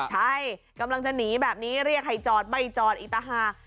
ใช่กำลังจะหนีแบบนี้เรียกใครจอดใบจอดอีตหา